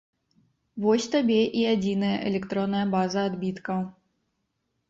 Вось табе і адзіная электронная база адбіткаў!